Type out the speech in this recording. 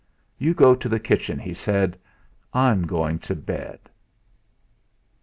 "You go to the kitchen," he said; "I'm going to bed."